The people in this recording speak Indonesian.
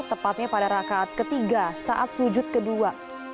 tepatnya pada rakaat ketiga saat sujud kedua